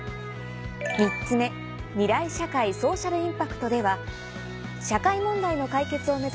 ３つ目「未来社会ソーシャルインパクト」では社会問題の解決を目指す